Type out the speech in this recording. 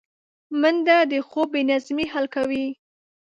منډه د خوب بې نظمۍ حل کوي